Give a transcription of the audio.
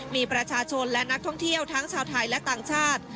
มีประชาชนและนักท่องเที่ยวทั้งชาวไทยและต่างชาติ